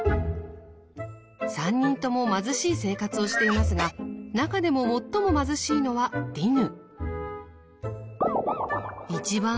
３人とも貧しい生活をしていますが中でも最も貧しいのはディヌ。